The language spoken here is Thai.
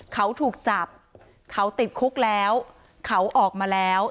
เขาถูกจับเขาติดคุกแล้วเขาออกมาแล้ว